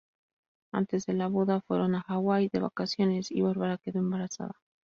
Antes de la boda fueron a Hawái de vacaciones y Barbara quedó embarazada.